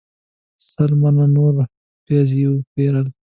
سل منه نور پیاز یې وپیرل.